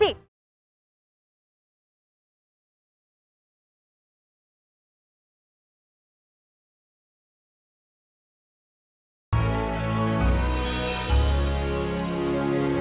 kita akan mencoba untuk memperbaiki kekuatan yang lebih baik untuk kita